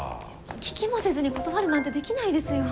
聞きもせずに断るなんてできないですよ。